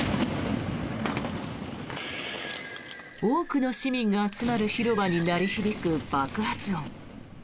多くの市民が集まる広場に鳴り響く爆発音。